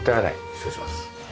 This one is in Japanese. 失礼します。